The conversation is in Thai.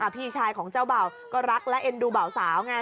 พี่ชายของเจ้าเบ่าก็รักและเอ็นดูเบาสาวไง